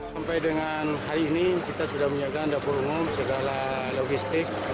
sampai dengan hari ini kita sudah menyiapkan dapur umum segala logistik